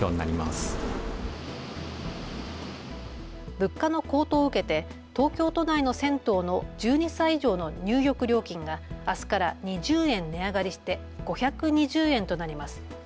物価の高騰を受けて東京都内の銭湯の１２歳以上の入浴料金があすから２０円値上がりして５２０円となります。